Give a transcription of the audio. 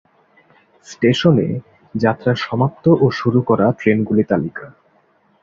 স্টেশনে যাত্রা সমাপ্ত ও শুরু করা ট্রেনগুলি তালিকা।